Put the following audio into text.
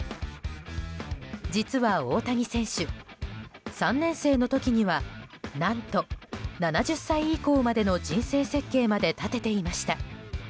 実は大谷選手、３年生の時には何と７０歳以降までの人生設計まで立てていました。